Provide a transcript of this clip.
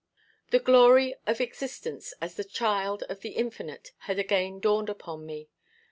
The glory of existence as the child of the Infinite had again dawned upon me.